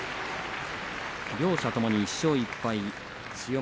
両者ともに１勝１敗です。